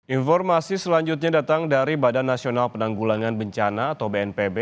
informasi selanjutnya datang dari badan nasional penanggulangan bencana atau bnpb